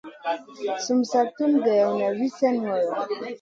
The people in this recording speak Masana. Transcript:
Sum sa tun greyna wi slèh ŋolo.